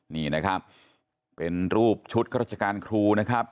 นี่นะครับเป็นรูปชุดข้าราชการครูนะครับ